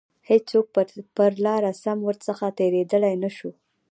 هیڅوک پر لاره سم ورڅخه تیریدلای نه شو.